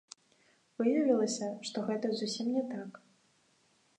Выявілася, што гэта зусім не так.